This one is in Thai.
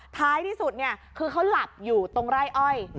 ท้ายที่สุดเนี่ยคือเขาหลับอยู่ตรงไร่อ้อย